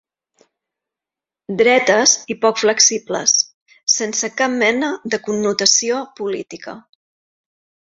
Dretes i poc flexibles, sense cap mena de connotació política.